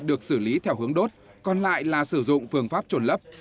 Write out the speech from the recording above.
được xử lý theo hướng đốt còn lại là sử dụng phương pháp trồn lấp